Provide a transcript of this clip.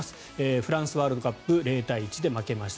フランスワールドカップ０対１で負けました。